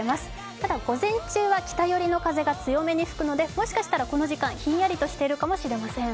ただ午前中は北寄りの風が強めに吹くのでもしかしたらこの時間、ひんやりとしているかもしれません。